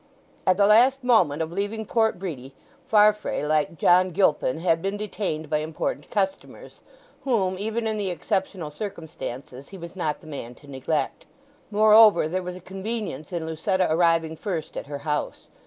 At the last moment of leaving Port Bredy, Farfrae, like John Gilpin, had been detained by important customers, whom, even in the exceptional circumstances, he was not the man to neglect. Moreover, there was a convenience in Lucetta arriving first at her house.